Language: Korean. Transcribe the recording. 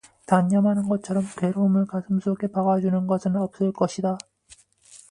단념하는 것처럼 괴로움을 가슴속에 박아 주는 것은 없을 것이다.